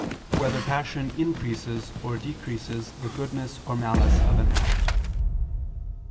3] Whether Passion Increases or Decreases the Goodness or Malice of an Act?